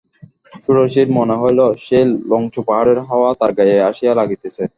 ষোড়শীর মনে হইল, সেই লংচু পাহাড়ের হাওয়া তার গায়ে আসিয়া লাগিতেছে।